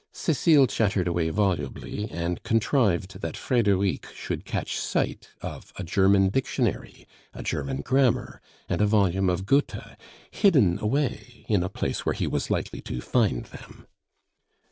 Cecile chattered away volubly, and contrived that Frederic should catch sight of a German dictionary, a German grammar, and a volume of Goethe hidden away in a place where he was likely to find them.